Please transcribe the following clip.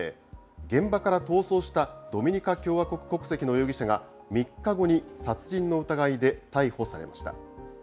現場から逃走したドミニカ共和国国籍の容疑者が３日後に殺人の疑いで逮捕されました。